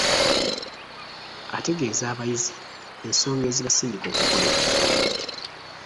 Ategeeza abayizi ensonga ezibasindika okukola ekyo .